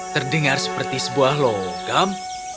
terdengar seperti sebuah logam